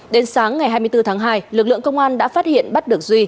đến sáng ngày hai mươi bốn tháng hai lực lượng công an đã phát hiện bắt được duy